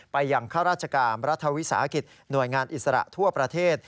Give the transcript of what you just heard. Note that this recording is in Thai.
ไปยังข้าราชการรัฐวิสาหกิจหน่วยงานอิสระทั่วประเทศ